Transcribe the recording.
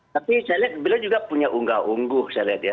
tapi saya lihat beliau juga punya unggah ungguh